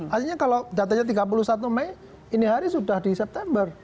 artinya kalau datanya tiga puluh satu mei ini hari sudah di september